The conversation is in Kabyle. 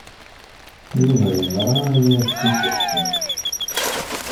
Yuba yeẓra aya d tikerkas.